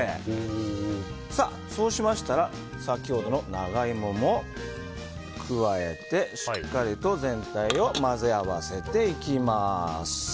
そうしましたら先ほどの長イモも加えてしっかりと全体を混ぜ合わせていきます。